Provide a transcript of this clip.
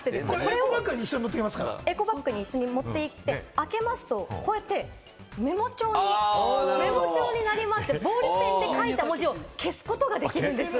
エコバッグと一緒に持っていって開けますと、こうやってメモ帳にもなりまして、ボールペンで書いた文字を消すことができるんです。